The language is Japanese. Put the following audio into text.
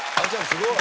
すごい。